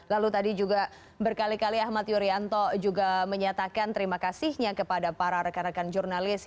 lalu tadi juga berkali kali ahmad yuryanto juga menyatakan terima kasihnya kepada para rekan rekan jurnalis